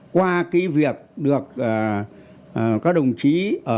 qua việc được các đồng chí